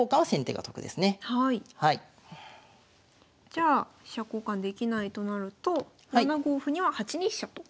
じゃあ飛車交換できないとなると７五歩には８二飛車と。